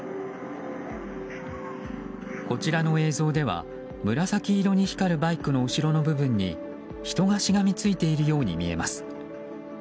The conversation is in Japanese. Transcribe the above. こちらの映像では紫色に光るバイクの後ろの部分に人がしがみついているように見えます。